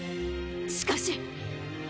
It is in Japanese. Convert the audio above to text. しかし。